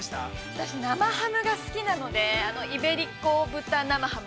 ◆私、生ハムが好きなのであのイベリコ豚生ハム